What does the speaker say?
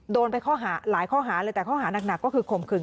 โดนไปข้อหาหลายข้อหาเลยแต่ข้อหานักก็คือข่มขึง